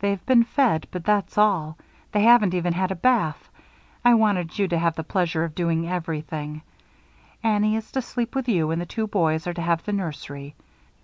They've been fed, but that's all. They haven't even had a bath. I wanted you to have the pleasure of doing everything. Annie is to sleep with you and the two boys are to have the nursery.